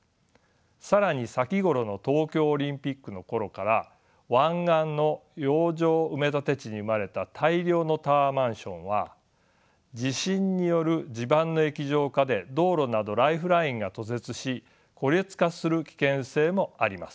更に先ごろの東京オリンピックの頃から湾岸の洋上埋立地に生まれた大量のタワーマンションは地震による地盤の液状化で道路などライフラインが途絶し孤立化する危険性もあります。